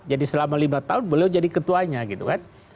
jadi selama lima tahun beliau jadi ketuanya gitu kan